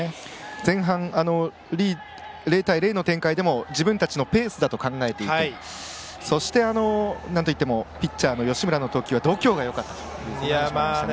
前半０対０の展開でも自分たちのペースだと考えていてそしてピッチャーの吉村の投球は度胸がよかったという話もありましたね。